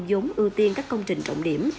giống ưu tiên các công trình trọng điểm